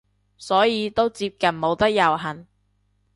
所以都接近冇得遊行